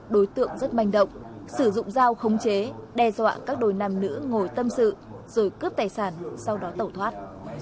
đối tượng rất manh động sử dụng dao khống chế đe dọa các đôi nam nữ ngồi tâm sự rồi cướp tài sản sau đó tẩu thoát